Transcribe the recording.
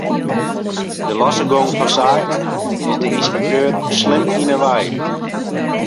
De losse gong fan saken is de ynspekteur slim yn 'e wei.